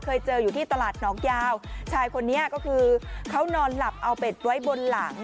เคยเจออยู่ที่ตลาดหนองยาวชายคนนี้ก็คือเขานอนหลับเอาเป็ดไว้บนหลัง